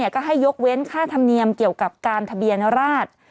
ก็ให้ยกเว้นค่าธรรมเนียมเกี่ยวกับการทะเบียนราช